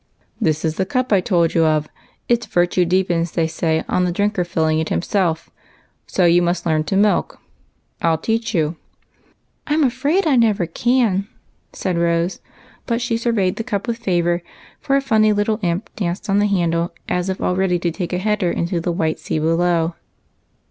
" This is the cup I told you of. Its virtue depends, they say, on the drinker filling it himself ; so you must learn to milk. I '11 teach you." " I 'm afraid I never can," said Rose ; but she sur veyed the cup with favor, for a funny little imp danced on the handle, as if all ready to take a header into the white sea below.